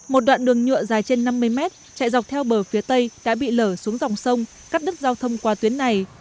một đoạn đường nhựa dài trên năm mươi mét chạy dọc theo bờ phía tây đã bị lở xuống dòng sông cắt đứt giao thông qua tuyến này